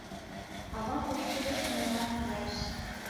— Авам пошкудыш унала наҥгайыш.